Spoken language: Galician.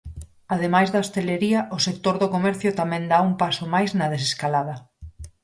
Ademais da hostalería, o sector do comercio tamén dá un paso máis na desescalada.